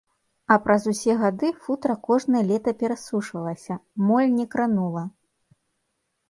А праз усе гады футра кожнае лета перасушвалася, моль не кранула.